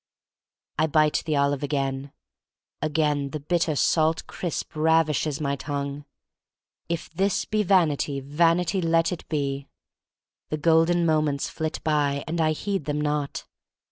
I bite the olive again. Again the bit ter salt crisp ravishes my tongue. "If this be vanity, — vanity let it be." The golden moments flit by and I heed them not.